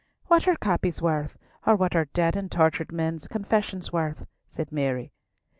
"What are copies worth, or what are dead and tortured men's confessions worth?" said Mary.